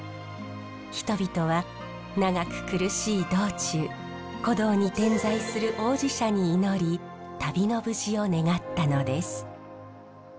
人々は長く苦しい道中古道に点在する王子社に祈り旅の無事を願ったのです。